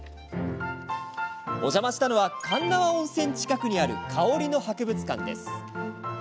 お邪魔したのは鉄輪温泉近くにある香りの博物館です。